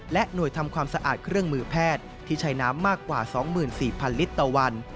หน่วยทำความสะอาดเครื่องมือแพทย์ที่ใช้น้ำมากกว่า๒๔๐๐ลิตรต่อวัน